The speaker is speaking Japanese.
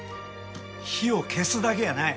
火を消すだけやない。